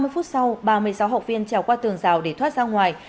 ba mươi phút sau ba mươi sáu học viên trèo qua tường rào để thoát ra ngoài